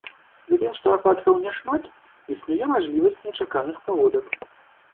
Пры тым што ападкаў няшмат, існуе мажлівасць нечаканых паводак.